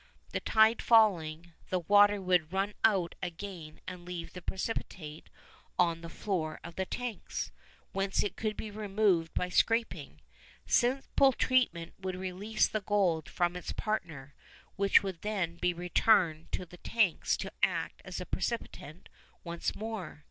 The tide falling, the water would run out again and leave the precipitate on the floor of the tanks, whence it could be removed by scraping. Simple treatment would release the gold from its partner, which would then be returned to the tanks to act as the precipitant once more.